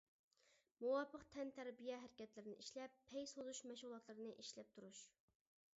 مۇۋاپىق تەنتەربىيە ھەرىكەتلىرىنى ئىشلەپ، پەي سوزۇش مەشغۇلاتلىرىنى ئىشلەپ تۇرۇش.